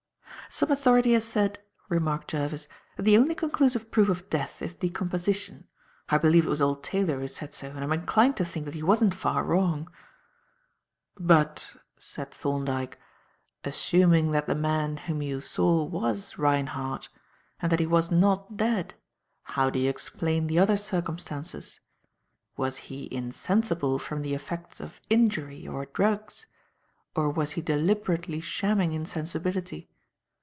"Some authority has said," remarked Jervis, "that the only conclusive proof of death is decomposition. I believe it was old Taylor who said so, and I am inclined to think that he wasn't far wrong." "But," said Thorndyke, "assuming that the man whom you saw was Reinhardt, and that he was not dead how do you explain the other circumstances? Was he insensible from the effects of injury or drugs? Or was he deliberately shamming insensibility?